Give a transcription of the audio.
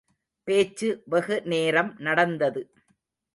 பேச்சு வெகு நேரம் நடந்தது.